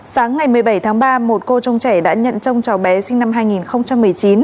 sáng ngày một mươi bảy tháng ba một cô trông trẻ đã nhận trông cháu bé sinh năm hai nghìn một mươi chín